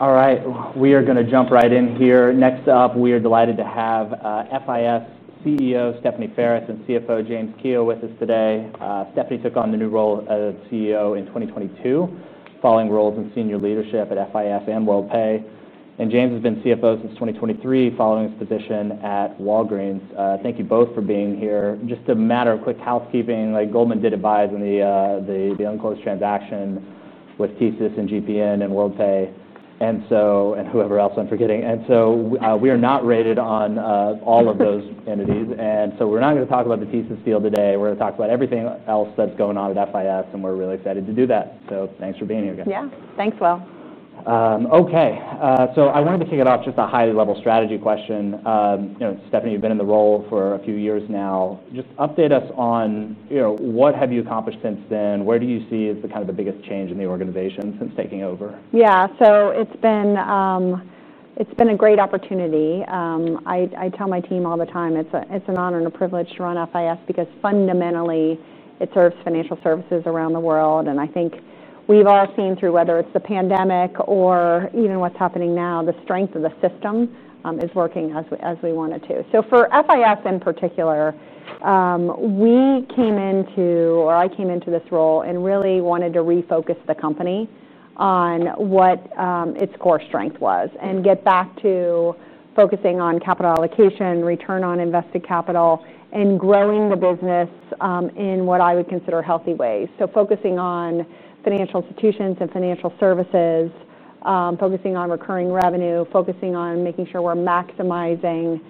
All right, we are going to jump right in here. Next up, we are delighted to have FIS CEO Stephanie Ferris and CFO James Kehoe with us today. Stephanie took on the new role as CEO in 2022, following roles in senior leadership at FIS and Worldpay. James has been CFO since 2023, following his position at Walgreens. Thank you both for being here. Just a matter of quick housekeeping, like Goldman did advise on the unclosed transaction with Thesys and GPN and Worldpay, and whoever else I'm forgetting. We are not rated on all of those entities. We are not going to talk about the Thesys deal today. We're going to talk about everything else that's going on at FIS, and we're really excited to do that. Thanks for being here, guys. Yeah, thanks, Will. Okay, I wanted to kick it off with just a high-level strategy question. Stephanie, you've been in the role for a few years now. Just update us on what have you accomplished since then? Where do you see the kind of the biggest change in the organization since taking over? Yeah, so it's been a great opportunity. I tell my team all the time, it's an honor and a privilege to run FIS because fundamentally, it serves financial services around the world. I think we've all seen through whether it's the pandemic or even what's happening now, the strength of the system is working as we want it to. For FIS in particular, I came into this role and really wanted to refocus the company on what its core strength was and get back to focusing on capital allocation, return on invested capital, and growing the business in what I would consider healthy ways. Focusing on financial institutions and financial services, focusing on recurring revenue, focusing on making sure we're maximizing,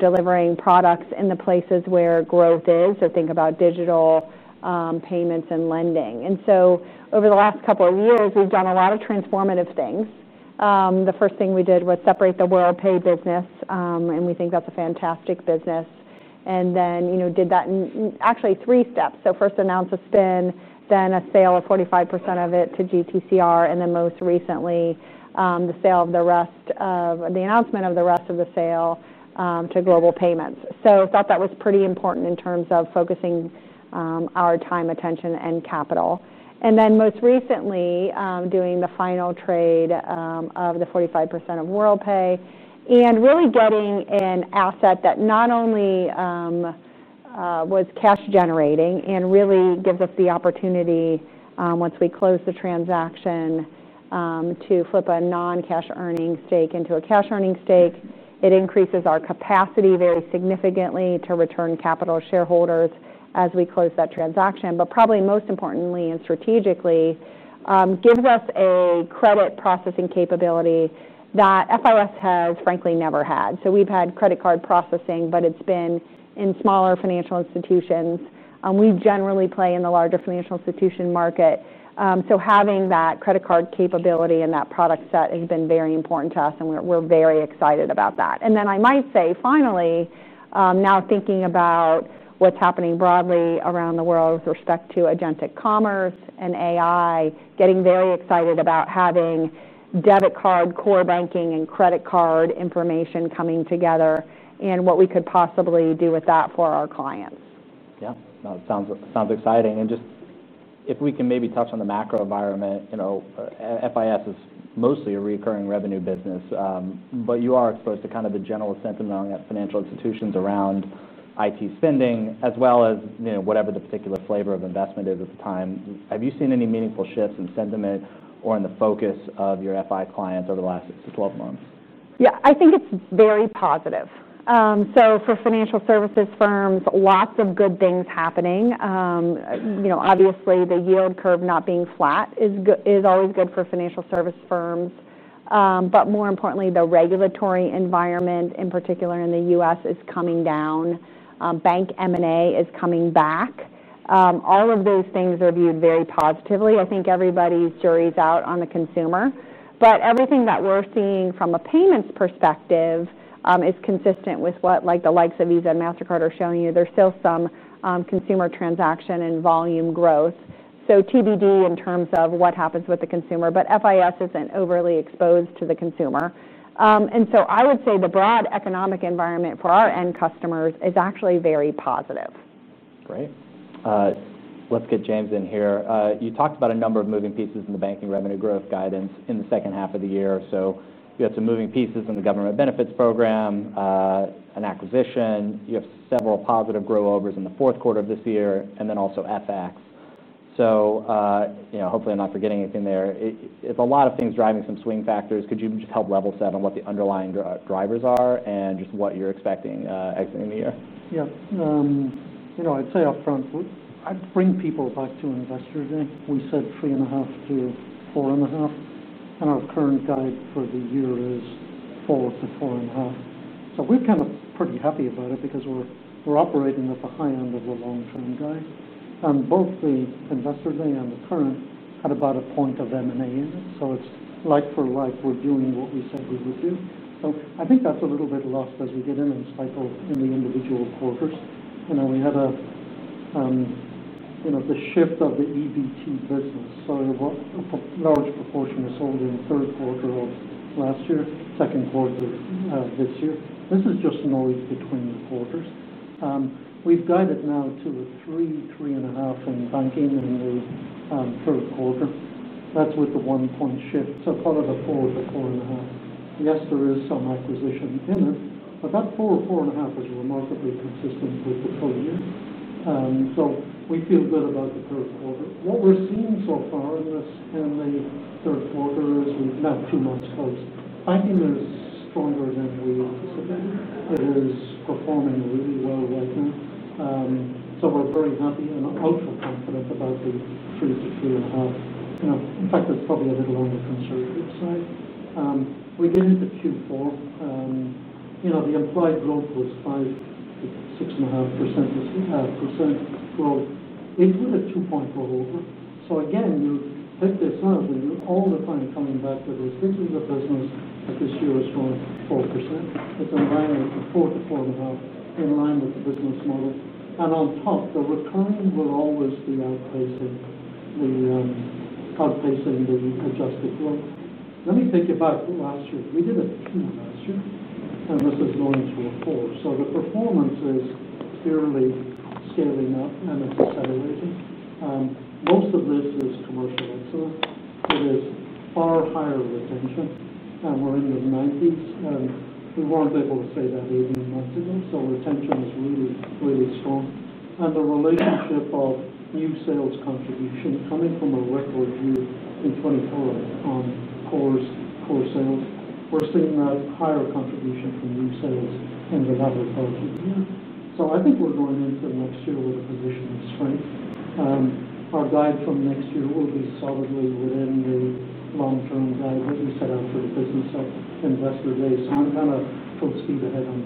delivering products in the places where growth is. Think about digital payments and lending. Over the last couple of years, we've done a lot of transformative things. The first thing we did was separate the Worldpay business, and we think that's a fantastic business. We did that in actually three steps. First announced a spin, then a sale of 45% of it to GTCR, and then most recently, the sale of the rest, the announcement of the rest of the sale to Global Payments. I thought that was pretty important in terms of focusing our time, attention, and capital. Most recently, doing the final trade of the 45% of Worldpay and really getting an asset that not only was cash generating and really gives us the opportunity, once we close the transaction, to flip a non-cash earning stake into a cash earning stake. It increases our capacity very significantly to return capital to shareholders as we close that transaction. Probably most importantly and strategically, it gives us a credit processing capability that FIS has frankly never had. We've had credit card processing, but it's been in smaller financial institutions. We generally play in the larger financial institution market. Having that credit card capability and that product set has been very important to us, and we're very excited about that. I might say finally, now thinking about what's happening broadly around the world with respect to agentic commerce and AI, getting very excited about having debit card core banking and credit card information coming together and what we could possibly do with that for our clients. Yeah, that sounds exciting. If we can maybe touch on the macro environment, you know, FIS is mostly a recurring revenue business, but you are exposed to the general sentiment among financial institutions around IT spending, as well as whatever the particular flavor of investment is at the time. Have you seen any meaningful shifts in sentiment or in the focus of your FI clients over the last six to 12 months? Yeah, I think it's very positive. For financial services firms, lots of good things are happening. Obviously, the yield curve not being flat is always good for financial services firms. More importantly, the regulatory environment, in particular in the U.S., is coming down. Bank M&A is coming back. All of those things are viewed very positively. I think everybody's jury's out on the consumer. Everything that we're seeing from a payments perspective is consistent with what the likes of Visa and Mastercard are showing you. There's still some consumer transaction and volume growth. TBD in terms of what happens with the consumer, but FIS isn't overly exposed to the consumer. I would say the broad economic environment for our end customers is actually very positive. Great. Let's get James in here. You talked about a number of moving pieces in the banking revenue growth guidance in the second half of the year. You have some moving pieces in the government benefits program, an acquisition, several positive grow overs in the fourth quarter of this year, and also FX. Hopefully I'm not forgetting anything there. It's a lot of things driving some swing factors. Could you just help level set on what the underlying drivers are and just what you're expecting next year? Yeah. I'd say up front, I'd bring people back to Investor Day. We said 3.5%-4.5%, and our current guide for the year is 4%-4.5%. We're pretty happy about it because we're operating at the high end of the long-term guide. Both the Investor Day and the current are at about a point of M&A in it, so it's like for like reviewing what we said we would do. I think that's a little bit lost as we did in a cycle in the individual quarters. We had the shift of the EBT business. A large proportion was sold in the third quarter of last year, second quarter of this year. This is just noise between the quarters. We've guided now to a 3%, 3.5% on banking in the third quarter. That's with the one-point shift. Part of the quarter is a 4.5%. Yes, there is some acquisition in it, but that 4% or 4.5% is remarkably consistent with the full year. We feel good about the growth. What we're seeing so far in the third quarter is now two months post. Banking is stronger than we anticipated. It is performing really well right now. We're very happy and ultra confident about the 3%-3.5%. In fact, it's probably a little on the conservative side. We did it at Q4. The implied growth was by the 6.5% growth. It did a 2.4% over. You hit this earlier all the time coming back to this. This is a business that this year is growing 4%. It's on range of 4%-4.5% in line with the business model. On top, the return will always be outpacing. We're outpacing the adjusted flow. Let me take you back. Last year, we did a team last year, and this is going to a 4%. The performance is clearly sailing up and it's accelerating. Most of this is commercial. It is far higher retention, and we're in the 90s percent. We weren't able to say that even a month ago. Retention is really, really strong. The relationship of new sales contribution coming from a record year in 2012 on core sales, we're seeing a higher contribution from new sales than the average banking year. I think we're going into next year with a position that's strength. Our guide from next year will be solidly within the long-term guide that we set out for the business sector Investor Day. I'm going to proceed ahead on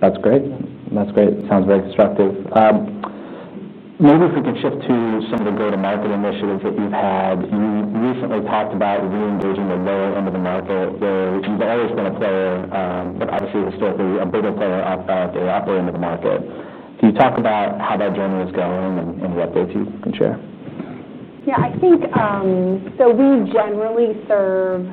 that. That's great. It sounds very constructive. Maybe if we can shift to some of the go-to-market initiatives that you've had. You recently talked about re-engaging with lows into the market, where you've always been a player, but obviously historically a bigger player out there into the market. Can you talk about how that journey is going and what goals you can share? Yeah, I think we generally serve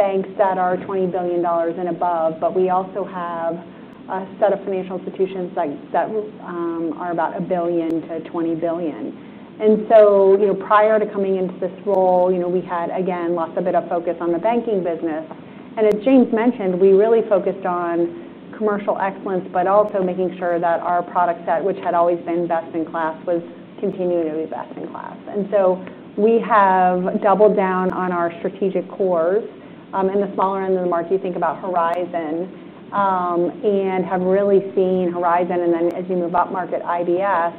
banks that are $20 billion and above, but we also have a set of financial institutions that are about $1 billion-$20 billion. Prior to coming into this role, we had lost a bit of focus on the banking business. As James mentioned, we really focused on commercial excellence, but also making sure that our product set, which had always been best in class, was continuing to be best in class. We have doubled down on our strategic cores in the smaller end of the market. You think about HORIZON and have really seen HORIZON. As you move up market, IBS,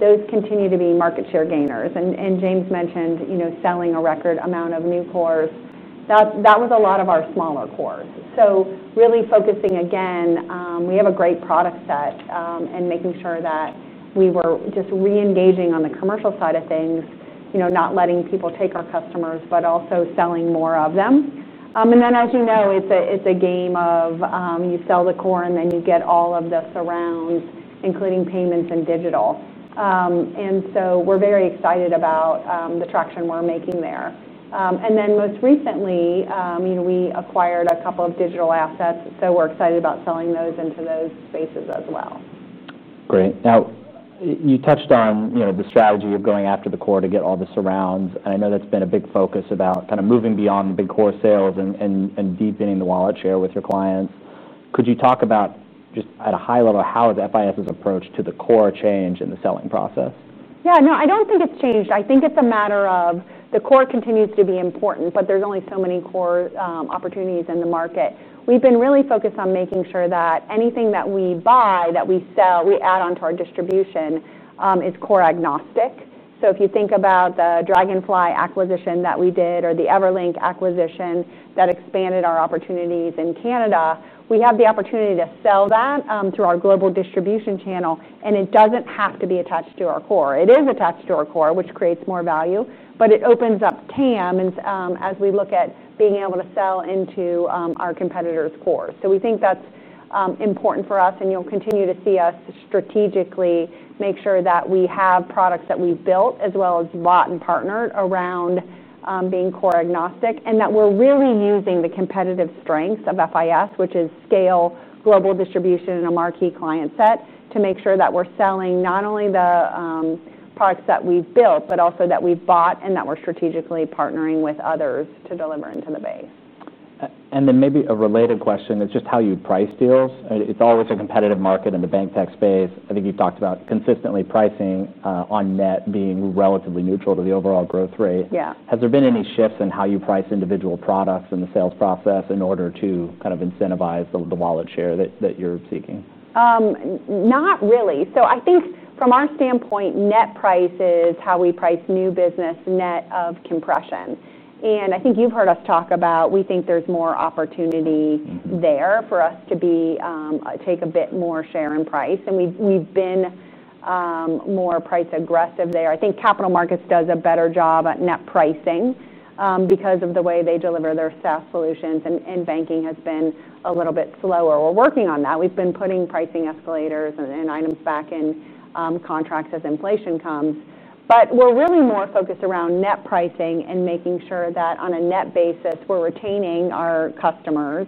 those continue to be market share gainers. James mentioned selling a record amount of new cores. That was a lot of our smaller cores. Really focusing again, we have a great product set and making sure that we were just re-engaging on the commercial side of things, not letting people take our customers, but also selling more of them. It's a game of you sell the core and then you get all of the surrounds, including payments and digital. We're very excited about the traction we're making there. Most recently, we acquired a couple of digital assets, so we're excited about selling those into those spaces as well. Great. Now you touched on, you know, the strategy of going after the core to get all the surrounds. I know that's been a big focus about kind of moving beyond the big core sales and deepening the wallet share with your clients. Could you talk about just at a high level how the FIS's approach to the core changed in the selling process? No, I don't think it's changed. I think it's a matter of the core continues to be important, but there's only so many core opportunities in the market. We've been really focused on making sure that anything that we buy, that we sell, we add onto our distribution is core-agnostic. If you think about the Dragonfly acquisition that we did or the Everlink acquisition that expanded our opportunities in Canada, we have the opportunity to sell that through our global distribution channel. It doesn't have to be attached to our core. It is attached to our core, which creates more value, but it opens up TAM as we look at being able to sell into our competitors' core. We think that's important for us. You'll continue to see us strategically make sure that we have products that we've built as well as bought and partnered around being core-agnostic and that we're really using the competitive strengths of FIS, which is scale, global distribution, and a marquee client set, to make sure that we're selling not only the products that we've built, but also that we've bought and that we're strategically partnering with others to deliver into the bay. Maybe a related question is just how you price deals. It's always a competitive market in the bank tech space. I think you've talked about consistently pricing on net being relatively neutral to the overall growth rate. Yeah. Has there been any shifts in how you price individual products in the sales process in order to kind of incentivize the wallet share that you're seeking? I think from our standpoint, net price is how we price new business net of compression. I think you've heard us talk about we think there's more opportunity there for us to take a bit more share in price. We've been more price aggressive there. I think capital markets does a better job at net pricing because of the way they deliver their SaaS solutions. Banking has been a little bit slower. We're working on that. We've been putting pricing escalators and items back in contracts as inflation comes. We're really more focused around net pricing and making sure that on a net basis, we're retaining our customers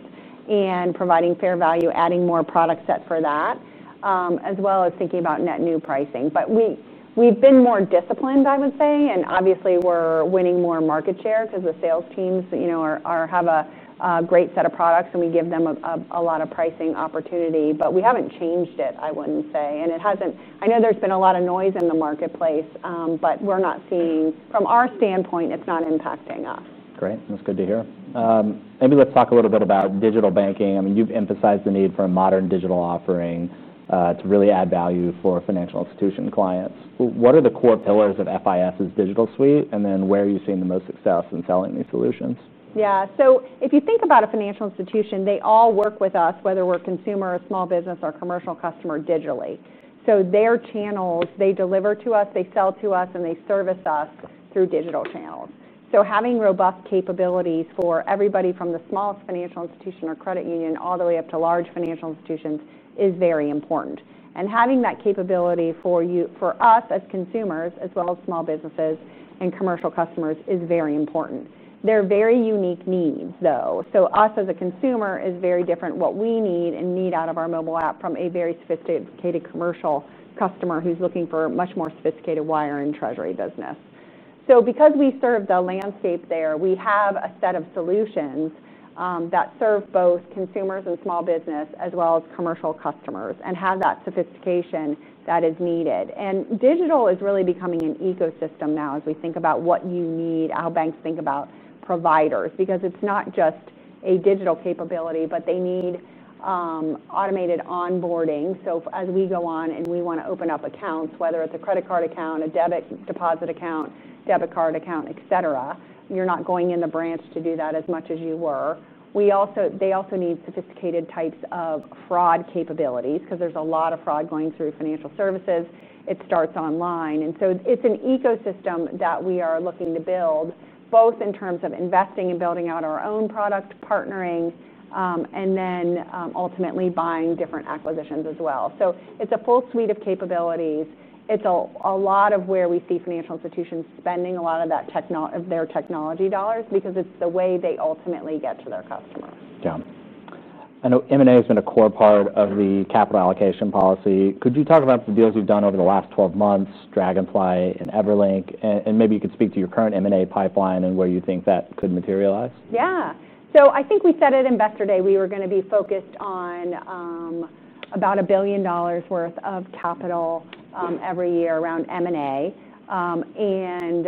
and providing fair value, adding more product set for that, as well as thinking about net new pricing. We've been more disciplined, I would say. Obviously, we're winning more market share because the sales teams have a great set of products and we give them a lot of pricing opportunity. We haven't changed it, I wouldn't say. It hasn't, I know there's been a lot of noise in the marketplace, but we're not seeing, from our standpoint, it's not impacting us. Great. That's good to hear. Maybe let's talk a little bit about digital banking. I mean, you've emphasized the need for a modern digital offering to really add value for financial institution clients. What are the core pillars of FIS's digital suite? Where are you seeing the most success in selling these solutions? Yeah, so if you think about a financial institution, they all work with us, whether we're a consumer, a small business, or a commercial customer digitally. Their channels, they deliver to us, they sell to us, and they service us through digital channels. Having robust capabilities for everybody from the smallest financial institution or credit union all the way up to large financial institutions is very important. Having that capability for us as consumers, as well as small businesses and commercial customers, is very important. They're very unique needs, though. Us as a consumer is very different, what we need and need out of our mobile app from a very sophisticated commercial customer who's looking for a much more sophisticated wire and treasury business. Because we serve the landscape there, we have a set of solutions that serve both consumers and small business, as well as commercial customers, and have that sophistication that is needed. Digital is really becoming an ecosystem now as we think about what you need, how banks think about providers, because it's not just a digital capability, but they need automated onboarding. As we go on and we want to open up accounts, whether it's a credit card account, a deposit account, debit card account, etc., you're not going in the branch to do that as much as you were. They also need sophisticated types of fraud capabilities because there's a lot of fraud going through financial services. It starts online. It's an ecosystem that we are looking to build, both in terms of investing and building out our own product, partnering, and ultimately buying different acquisitions as well. It's a full suite of capabilities. It's a lot of where we see financial institutions spending a lot of their technology dollars because it's the way they ultimately get to their customers. Yeah. I know M&A has been a core part of the capital allocation policy. Could you talk about the deals you've done over the last 12 months, Dragonfly and Everlink? Maybe you could speak to your current M&A pipeline and where you think that could materialize. Yeah. I think we said at Investor Day we were going to be focused on about $1 billion worth of capital every year around M&A.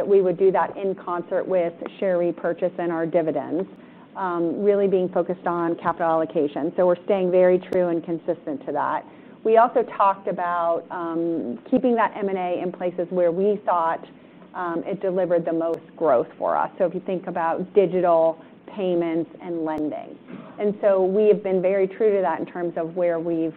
We would do that in concert with share repurchase and our dividends, really being focused on capital allocation. We're staying very true and consistent to that. We also talked about keeping that M&A in places where we thought it delivered the most growth for us. If you think about digital payments and lending, we have been very true to that in terms of where we've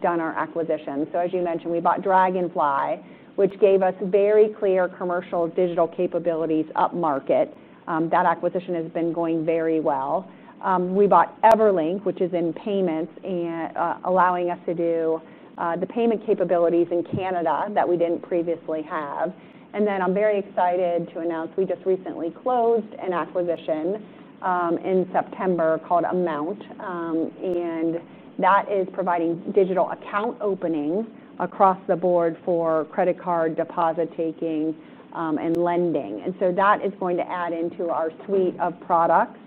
done our acquisitions. As you mentioned, we bought Dragonfly, which gave us very clear commercial digital capabilities up market. That acquisition has been going very well. We bought Everlink, which is in payments and allowing us to do the payment capabilities in Canada that we didn't previously have. I'm very excited to announce we just recently closed an acquisition in September called Amount. That is providing digital account opening across the board for credit card deposit taking and lending. That is going to add into our suite of products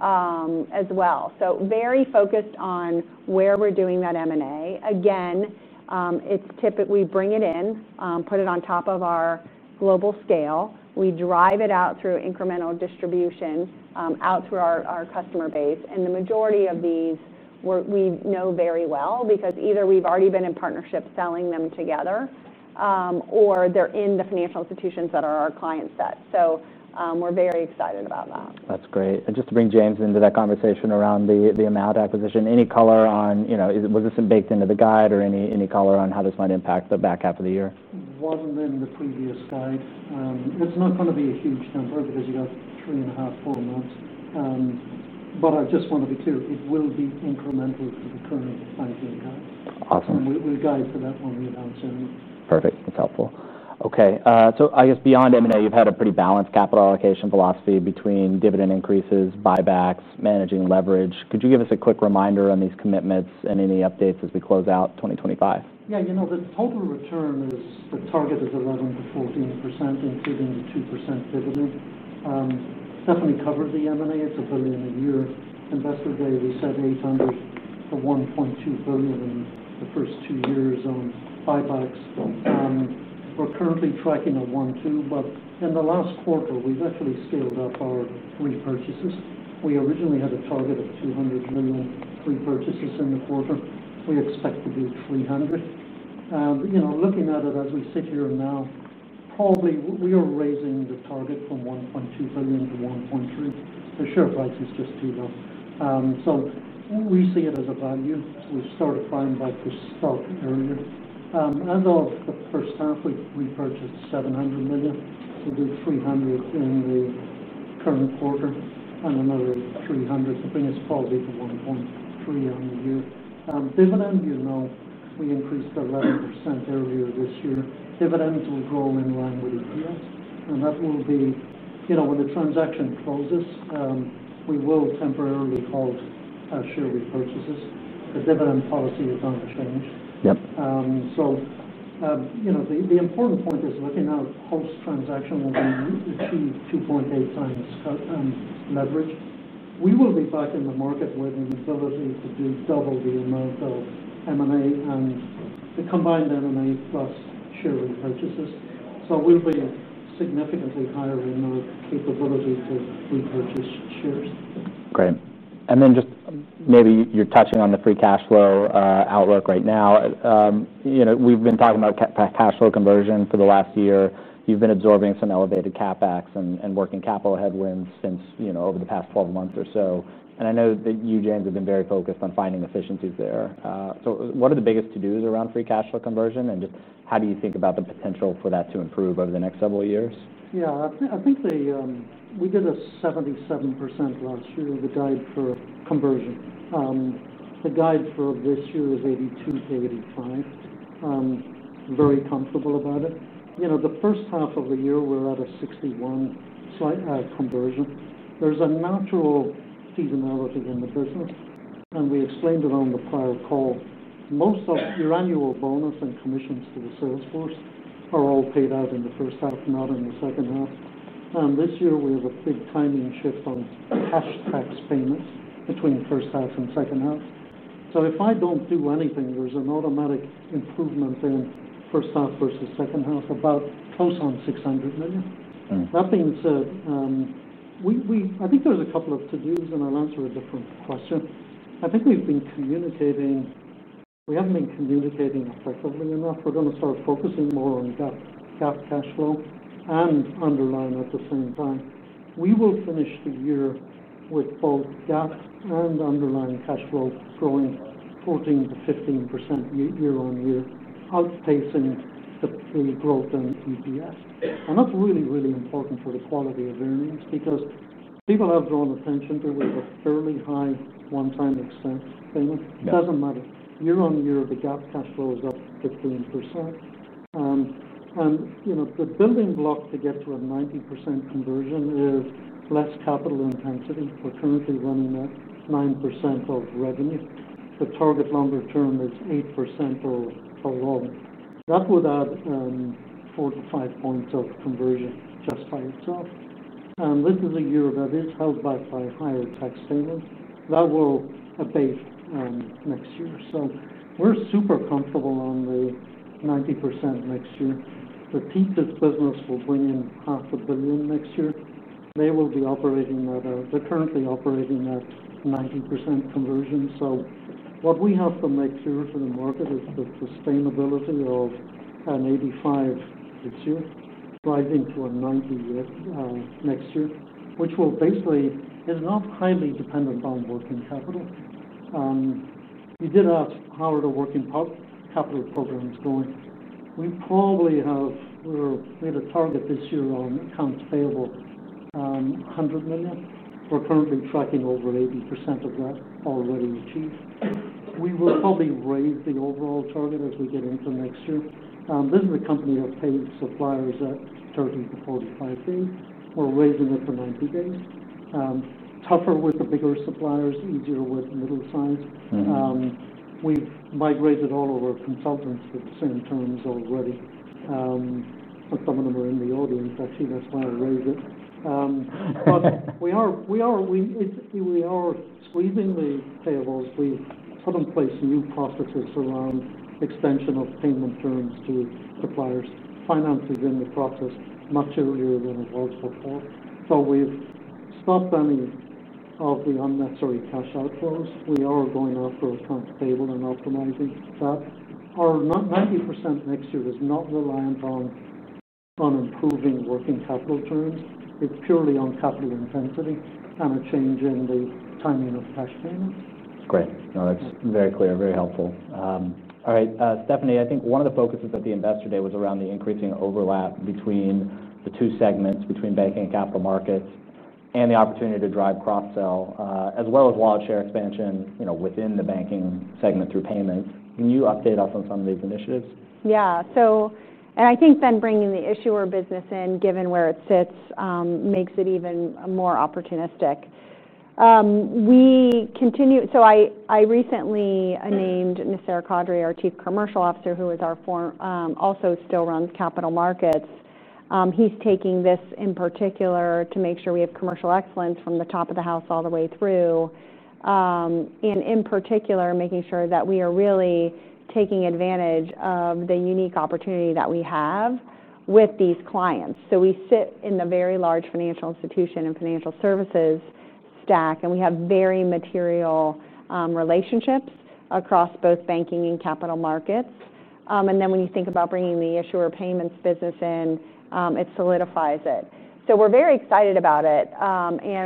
as well. Very focused on where we're doing that M&A. Again, it's typically bring it in, put it on top of our global scale. We drive it out through incremental distribution, out through our customer base. The majority of these we know very well because either we've already been in partnership selling them together or they're in the financial institutions that are our client sets. We're very excited about that. That's great. Just to bring James into that conversation around the Amount acquisition, any color on, you know, was this baked into the guide or any color on how this might impact the back half of the year? It wasn't in the previous slide. It's not going to be a huge number because you got three and a half, four months. I just want to be clear, it will be incremental to the current banking guide. Awesome. We will guide for that when we announce it. Perfect. That's helpful. Okay, I guess beyond M&A, you've had a pretty balanced capital allocation philosophy between dividend increases, buybacks, managing leverage. Could you give us a quick reminder on these commitments and any updates as we close out 2025? Yeah, you know, the total return is the target is 11%-14%, including the 2% dividend. Stephanie covered the M&A. It's $1 billion a year. Investor Day, we said $800 million-$1.2 billion in the first two years on buybacks. We're currently tracking at $1.2 billion, but in the last quarter, we've actually scaled up our repurchases. We originally had a target of $200 million repurchases in the quarter. We expect to do $300 million. You know, looking at it as we sit here now, probably we are raising the target from $1.2 billion to $1.3 billion. The share price is just too low. We see it as a value. We've started buying back this stock earlier. As of the first half, we purchased $700 million. We'll do $300 million in the current quarter and another $300 million. The biggest quality is $1.3 billion on the year. Dividend, you know, we increased 11% earlier this year. Dividends will grow in line with EPS. That will be, you know, when the transaction closes, we will temporarily call share repurchases. The dividend policy is not a change. Yep. The important point is looking at the host transaction as a new, achieve 2.8x leverage. We will be back in the market with a double the amount of M&A and the combined M&A plus share repurchases. We'll be significantly higher in our capability to repurchase shares. Great. Maybe you're touching on the free cash flow outlook right now. We've been talking about cash flow conversion for the last year. You've been absorbing some elevated CapEx and working capital headwinds over the past 12 months or so. I know that you, James, have been very focused on finding efficiencies there. What are the biggest to-dos around free cash flow conversion, and how do you think about the potential for that to improve over the next several years? Yeah, I think we did a 77% last year in the guide for conversion. The guide for this year is 82%-85%. I'm very comfortable about it. The first half of the year, we're at a 61% conversion. There's a natural seasonality in the business. We explained it on the prior call. Most of your annual bonus and commissions to the sales force are all paid out in the first half, not in the second half. This year, we have a big timing shift on hashtag famous between the first half and second half. If I don't do anything, there's an automatic improvement in first half versus second half, about close on $600 million. That being said, I think there's a couple of to-dos, and I'll answer a different question. I think we've been communicating, we haven't been communicating effectively enough. We're going to start focusing more on that cash flow and underlying at the same time. We will finish the year with both GAAP and underlying cash flow growing 14%-15% year on year, outpacing the free growth in EPS. That's really, really important for the quality of earnings because people have drawn attention to it with a fairly high one-time expense. It doesn't matter. Year on year, the GAAP cash flow is up 15%. The building block to get to a 90% conversion is less capital intensity. We're currently running at 9% of revenue. The target longer term is 8% all along. That would add four to five points of conversion just by itself. This is a year that is held back by higher tax savings. That will abate next year. We're super comfortable on the 90% next year. The thesis business will bring in $500 million next year. They will be operating at a, they're currently operating at 90% conversion. What we have to make sure for the market is the sustainability of an 85% this year, sliding to a 90% next year, which will basically, it is not highly dependent on working capital. You did have power to working capital programs going. We probably have, we made a target this year on accounts payable, $100 million. We're currently tracking over 80% of that already received. We will probably raise the overall target as we get into next year. This is a company that pays suppliers at 30-45 days. We're raising it for 90 days. Tougher with the bigger suppliers, easier with middle size. We've migrated all of our consultants with the same terms already. Some of them are in the audience. I see that's why I raised it. We are squeezing the tables. We put in place new processes around expansion of payment terms to suppliers. Finance is in the process much earlier than a logical call. We've stopped any of the unnecessary cash outflows. We are going off those times table and optimizing that. Our 90% next year is not reliant on improving working capital terms. It's purely on capital intensity and a change in the timing of cash payments. That's great. No, that's very clear, very helpful. All right, Stephanie, I think one of the focuses at the Investor Day was around the increasing overlap between the two segments, between banking and capital markets, and the opportunity to drive cross-sell, as well as large share expansion within the banking segment through payments. Can you update us on some of these initiatives? Yeah, so, I think then bringing the issuer business in, given where it sits, makes it even more opportunistic. We continue, so I recently named Nasser Khodri our Chief Commercial Officer, who is our former, also still runs capital markets. He's taking this in particular to make sure we have commercial excellence from the top of the house all the way through, in particular making sure that we are really taking advantage of the unique opportunity that we have with these clients. We sit in the very large financial institution and financial services stack, and we have very material relationships across both banking and capital markets. When you think about bringing the issuer payments business in, it solidifies it. We're very excited about it.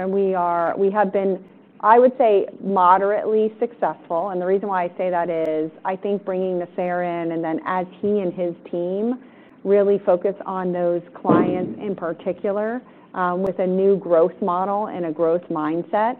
We have been, I would say, moderately successful. The reason why I say that is I think bringing Nasser in and then as he and his team really focus on those clients in particular with a new growth model and a growth mindset,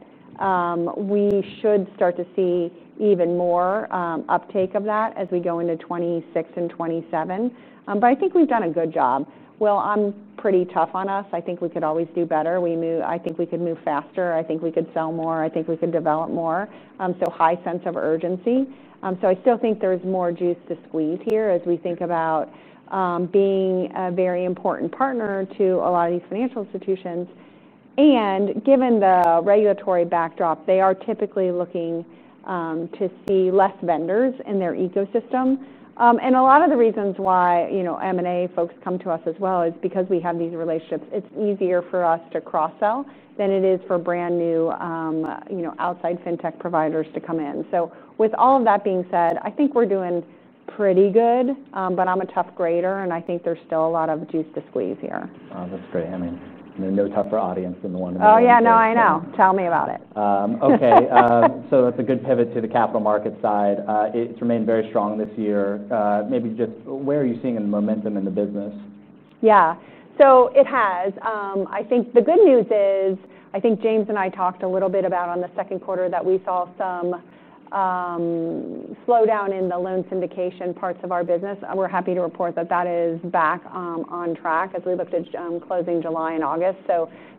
we should start to see even more uptake of that as we go into 2026 and 2027. I think we've done a good job. I'm pretty tough on us. I think we could always do better. I think we could move faster. I think we could sell more. I think we could develop more. High sense of urgency. I still think there's more juice to squeeze here as we think about being a very important partner to a lot of these financial institutions. Given the regulatory backdrop, they are typically looking to see fewer vendors in their ecosystem. A lot of the reasons why M&A folks come to us as well is because we have these relationships. It's easier for us to cross-sell than it is for brand new outside fintech providers to come in. With all of that being said, I think we're doing pretty good, but I'm a tough grader, and I think there's still a lot of juice to squeeze here. Oh, that's great. I mean, no tougher audience than the one in the audience. Oh yeah, I know. Tell me about it. Okay, that's a good pivot to the capital market side. It's remained very strong this year. Maybe just where are you seeing momentum in the business? Yeah, it has. I think the good news is, I think James and I talked a little bit about on the second quarter that we saw some slowdown in the loan syndication parts of our business. We're happy to report that is back on track as we looked at closing July and August.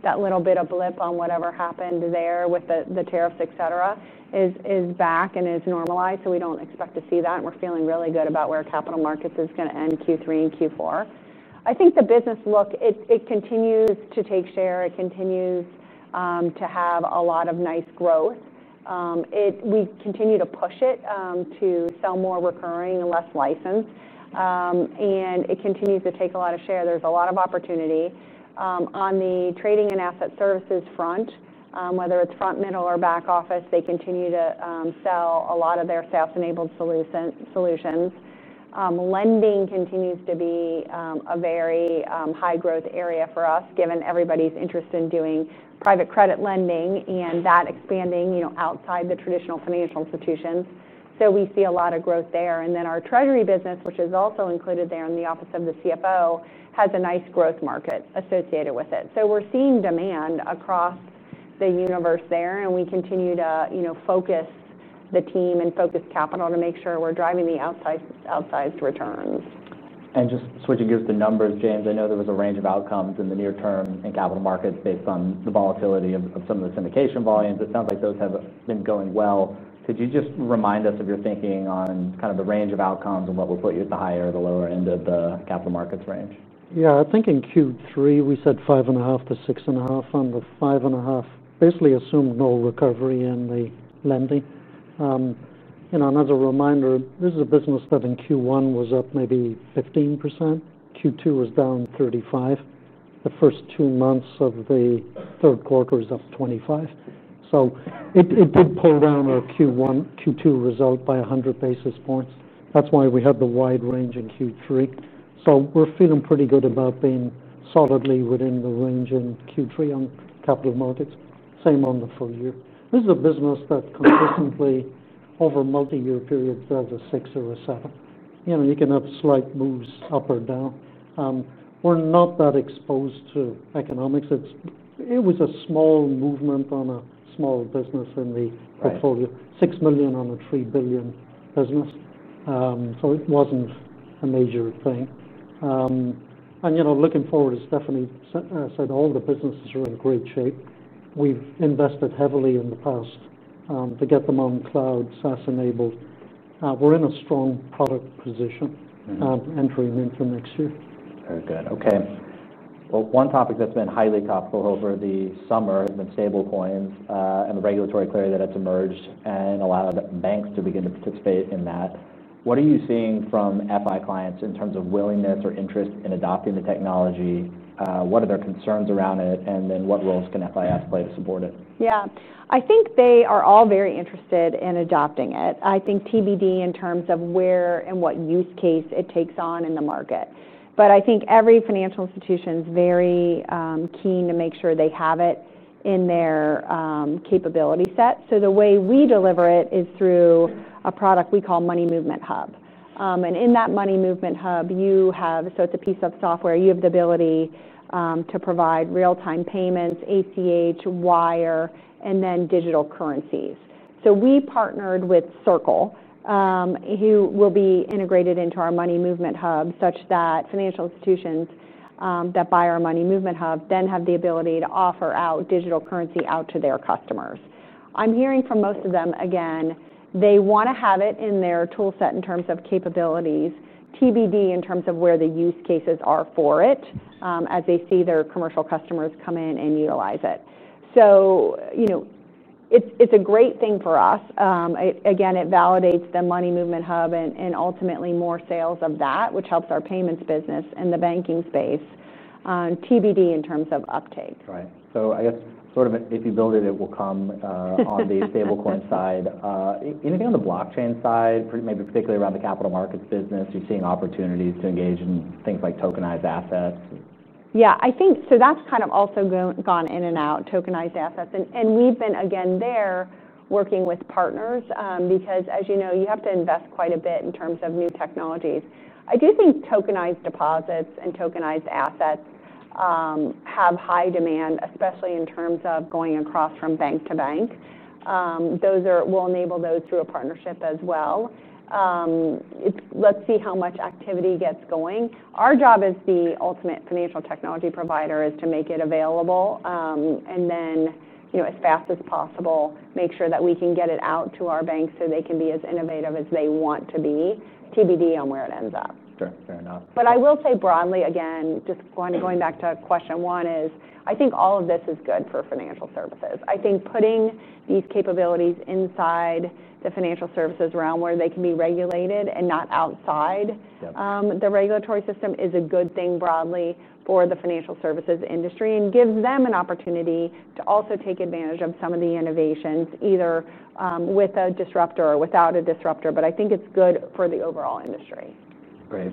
That little bit of blip on whatever happened there with the tariffs, et cetera, is back and is normalized. We don't expect to see that. We're feeling really good about where capital markets is going to end Q3 and Q4. I think the business, look, it continues to take share. It continues to have a lot of nice growth. We continue to push it to sell more recurring and less licensed. It continues to take a lot of share. There's a lot of opportunity on the trading and asset services front, whether it's front, middle, or back office. They continue to sell a lot of their SaaS-enabled solutions. Lending continues to be a very high growth area for us, given everybody's interest in doing private credit lending and that expanding outside the traditional financial institutions. We see a lot of growth there. Our treasury business, which is also included there in the office of the CFO, has a nice growth market associated with it. We're seeing demand across the universe there. We continue to focus the team and focus capital to make sure we're driving the outsized returns. Switching gears to numbers, James, I know there was a range of outcomes in the near term in capital markets based on the volatility of some of the syndication volumes. It sounds like those have been going well. Could you just remind us of your thinking on the range of outcomes and what will put you at the higher or the lower end of the capital markets range? Yeah, I think in Q3, we said 5.5%-6.5%. On the 5.5%, basically assumed no recovery in the lending. You know, and as a reminder, this is a business that in Q1 was up maybe 15%. Q2 was down 35%. The first two months of the third quarter is up 25%. It did pull down our Q1/Q2 result by 100 basis points. That's why we had the wide range in Q3. We're feeling pretty good about being solidly within the range in Q3 on capital markets. Same on the full year. This is a business that's consistently over multi-year periods of a 6% or a 7% You know, you can have slight moves up or down. We're not that exposed to economics. It was a small movement on a small business in the portfolio. $6 million on a $3 billion business. It wasn't a major thing. You know, looking forward, as Stephanie said, all the businesses are in great shape. We've invested heavily in the past to get them on cloud, SaaS enabled. We're in a strong product position entering into next year. Very good. Okay. One topic that's been highly topical over the summer has been stablecoins and the regulatory clarity that has emerged and allowed banks to begin to participate in that. What are you seeing from FI clients in terms of willingness or interest in adopting the technology? What are their concerns around it? What roles can FIS play to support it? Yeah, I think they are all very interested in adopting it. I think TBD in terms of where and what use case it takes on in the market. I think every financial institution is very keen to make sure they have it in their capability set. The way we deliver it is through a product we call Money Movement Hub. In that Money Movement Hub, you have, so it's a piece of software, you have the ability to provide real-time payments, ACH, wire, and then digital currencies. We partnered with Circle, who will be integrated into our Money Movement Hub, such that financial institutions that buy our Money Movement Hub then have the ability to offer out digital currency out to their customers. I'm hearing from most of them, again, they want to have it in their tool set in terms of capabilities, TBD in terms of where the use cases are for it as they see their commercial customers come in and utilize it. It's a great thing for us. It validates the Money Movement Hub and ultimately more sales of that, which helps our payments business and the banking space, TBD in terms of uptake. Right. I guess sort of if you build it, it will come on the stablecoin side. Anything on the blockchain side, maybe particularly around the capital markets business? Are you seeing opportunities to engage in things like tokenized assets? Yeah, I think that's kind of also gone in and out, tokenized assets. We've been, again, there working with partners because, as you know, you have to invest quite a bit in terms of new technologies. I do think tokenized deposits and tokenized assets have high demand, especially in terms of going across from bank to bank. We'll enable those through a partnership as well. Let's see how much activity gets going. Our job as the ultimate financial technology provider is to make it available and then, as fast as possible, make sure that we can get it out to our banks so they can be as innovative as they want to be. TBD on where it ends up. Fair enough. I will say broadly, again, just kind of going back to question one, I think all of this is good for financial services. I think putting these capabilities inside the financial services realm where they can be regulated and not outside the regulatory system is a good thing broadly for the financial services industry and gives them an opportunity to also take advantage of some of the innovations, either with a disruptor or without a disruptor. I think it's good for the overall industry. Great.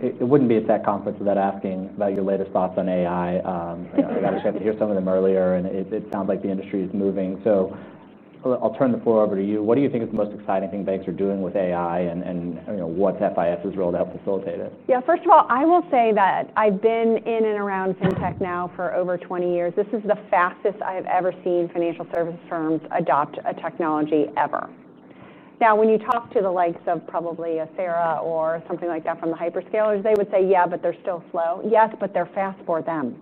It wouldn't be at that conference without asking about your latest thoughts on AI. I got a chance to hear some of them earlier, and it sounds like the industry is moving. I'll turn the floor over to you. What do you think is the most exciting thing banks are doing with AI, and what's FIS's role to help facilitate it? Yeah, first of all, I will say that I've been in and around fintech now for over 20 years. This is the fastest I've ever seen financial services firms adopt a technology ever. Now, when you talk to the likes of probably a Sara or something like that from the hyperscalers, they would say, yeah, but they're still slow. Yes, but they're fast for them.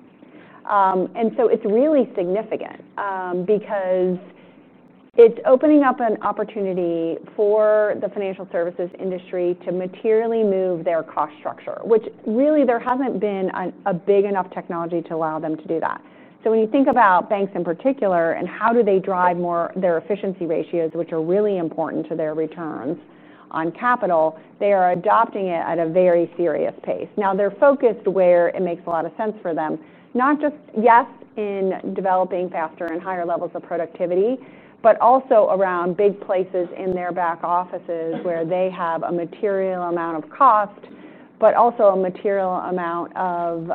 It is really significant because it's opening up an opportunity for the financial services industry to materially move their cost structure, which really there hasn't been a big enough technology to allow them to do that. When you think about banks in particular and how do they drive more their efficiency ratios, which are really important to their returns on capital, they are adopting it at a very serious pace. They're focused where it makes a lot of sense for them, not just yes in developing faster and higher levels of productivity, but also around big places in their back offices where they have a material amount of cost, but also a material amount of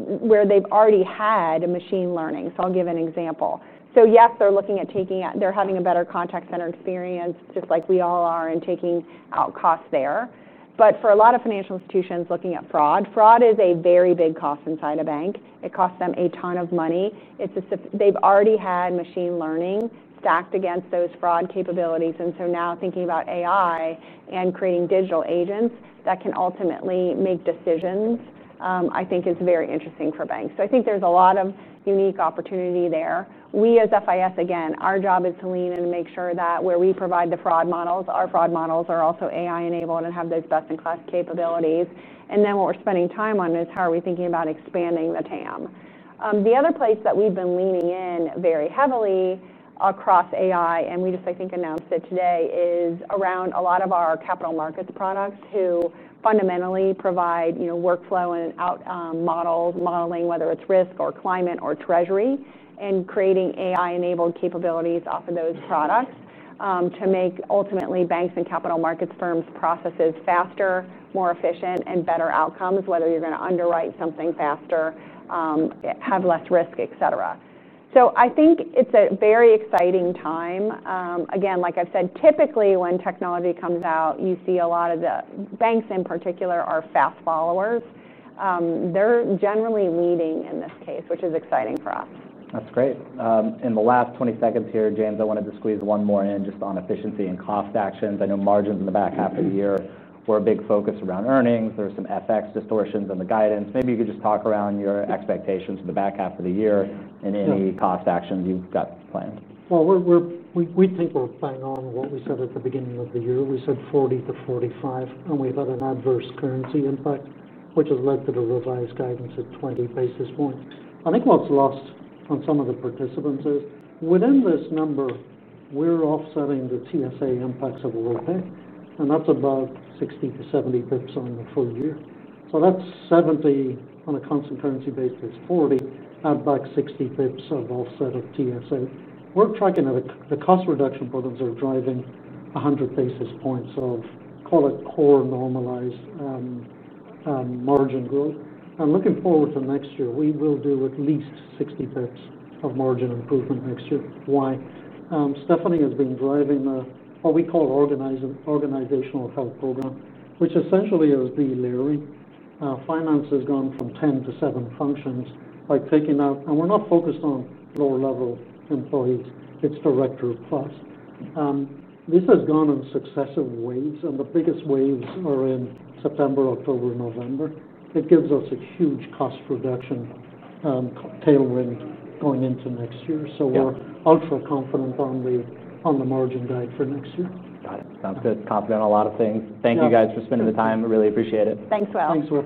where they've already had machine learning. I'll give an example. Yes, they're looking at taking out, they're having a better contact center experience, just like we all are, and taking out costs there. For a lot of financial institutions looking at fraud, fraud is a very big cost inside a bank. It costs them a ton of money. They've already had machine learning stacked against those fraud capabilities. Now thinking about AI and creating digital agents that can ultimately make decisions, I think is very interesting for banks. I think there's a lot of unique opportunity there. We as FIS, again, our job is to lean in and make sure that where we provide the fraud models, our fraud models are also AI-enabled and have those best-in-class capabilities. What we're spending time on is how are we thinking about expanding the TAM. The other place that we've been leaning in very heavily across AI, and we just, I think, announced it today, is around a lot of our capital markets products who fundamentally provide workflow and modeling, whether it's risk or climate or treasury, and creating AI-enabled capabilities off of those products to make ultimately banks and capital markets firms' processes faster, more efficient, and better outcomes, whether you're going to underwrite something faster, have less risk, etc. I think it's a very exciting time. Again, like I've said, typically when technology comes out, you see a lot of the banks in particular are fast followers. They're generally leading in this case, which is exciting for us. That's great. In the last 20 seconds here, James, I wanted to squeeze one more in just on efficiency and cost actions. I know margins in the back half of the year were a big focus around earnings. There are some FX distortions in the guidance. Maybe you could just talk around your expectations for the back half of the year and any cost actions you've got planned. We think we're bang on what we said at the beginning of the year. We said 40-45, and we've had an adverse currency impact, which has led to the revised guidance at 20 basis points. I think what's lost on some of the participants is within this number, we're offsetting the TSA impacts a little bit, and that's about 60-70 basis points on the full year. That's 70 on a constant currency basis, 40 add back 60 basis points of offset of TSA. We're tracking that the cost reduction programs are driving 100 basis points of, call it, core normalized margin growth. Looking forward to next year, we will do at least 60 basis points of margin improvement next year. Why? Stephanie has been driving the, what we call, organizational health program, which essentially is delivering. Finance has gone from 10 to seven functions, like taking out, and we're not focused on lower-level employees. It's Director plus. This has gone in successive waves, and the biggest waves are in September, October, and November. It gives us a huge cost reduction tailwind going into next year. We're ultra confident on the margin guide for next year. Got it. Sounds good. Confident on a lot of things. Thank you guys for spending the time. I really appreciate it. Thanks, Will. Thanks, Will.